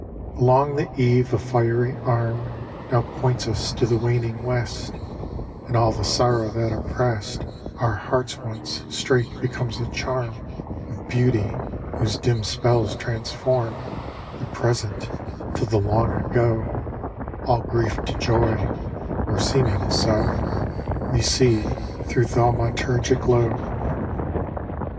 Along the eve a fiery arm Now points us to the waning west, And all the sorrow, that oppressed Our hearts once, straight becomes a charm Of beauty, whose dim spells transform The Present to the Long ago, All grief to joy, or seeming so, We see through thaumaturgic glow.